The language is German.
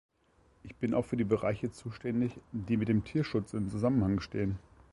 Ich bin auch für die Bereiche zuständig, die mit dem Tierschutz in Zusammenhang stehen.